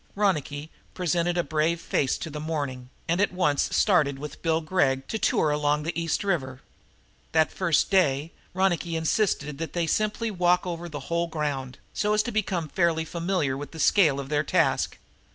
Ronicky presented a brave face to the morning and at once started with Bill Gregg to tour along the East River. That first day Ronicky insisted that they simply walk over the whole ground, so as to become fairly familiar with the scale of their task.